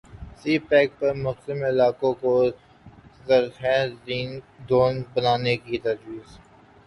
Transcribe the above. سی pack سے متصل علاقوں کو ذرخیز زون بنانے کی تجویز